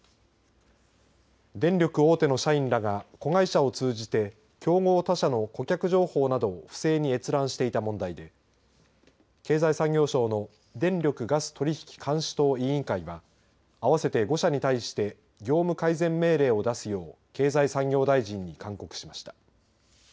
電力大手の社員らが子会社を通じて競合他社の顧客情報などを不正に閲覧していた問題で経済産業省の電力・ガス取引監視等委員会は合わせて５社に対して業務改善命令を出すように経済産業大臣に勧告しました。